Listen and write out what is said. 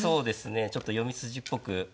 ちょっと読み筋っぽく。